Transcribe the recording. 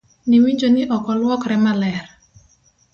Ni winjo ni ok oluokre maler?